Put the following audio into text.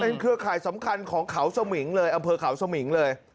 เครือข่ายสำคัญของเขาสมิงเลยอำเภอเขาสมิงเลย